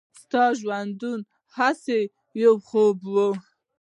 «ستا ژوندون هسې یو خوب و.»